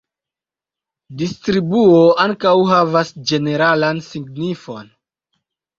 Distribuo ankaŭ havas ĝeneralan signifon.